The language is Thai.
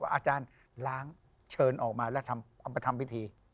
อาจารย์ล้างเชิญออกมาแล้วเอามาทำพิธี